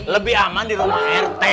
lebih aman di rumah rt